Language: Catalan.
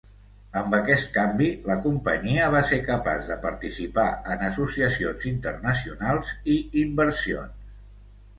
Amb aquest canvi, la companyia va ser capaç de participar en associacions internacionals i inversions.